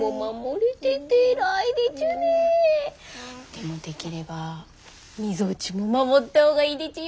でもできればみぞおちも守ったほうがいいでちゅよ。